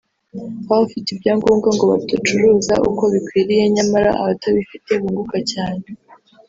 aho abafite ibyangombwa ngo badacuruza uko bikwiriye nyamara abatabifite bunguka cyane